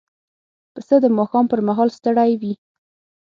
پسه د ماښام پر مهال ستړی وي.